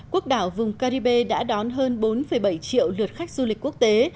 quốc đảo vùng caribe đã đón hơn bốn bảy triệu lượt khách du lịch quốc tế